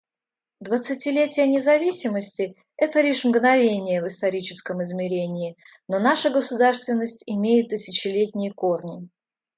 Двадцатилетие независимости — это лишь мгновение в историческом измерении, но наша государственность имеет тысячелетние корни.